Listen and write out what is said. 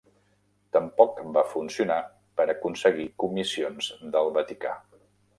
Tampoc va funcionar per aconseguir comissions del Vaticà.